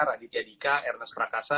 raditya dika ernest prakasa